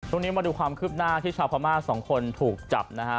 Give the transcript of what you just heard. ตรงนี้มาดูความคืบหน้าที่ชาวพม่าสองคนถูกจับนะฮะ